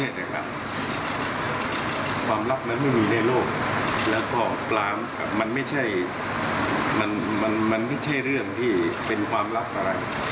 ตกปลามันไม่ใช่เรื่องที่เป็นความรักอะไร